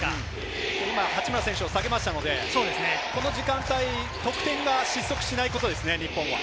八村選手を下げましたので、この時間帯、得点が失速しないことです。